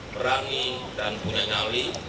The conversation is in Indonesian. berani dan punya nyali